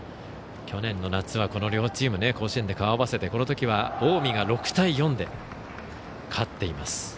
去年の夏は、この両チーム甲子園で顔を合わせてこのときは近江が６対４で勝っています。